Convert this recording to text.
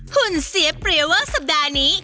หุ่นเสียเปรียบเวอร์สัปดาห์นี้